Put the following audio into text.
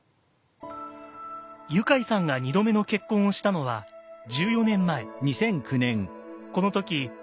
ユカイさんが２度目の結婚をしたのは１４年前。